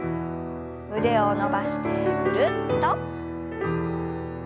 腕を伸ばしてぐるっと。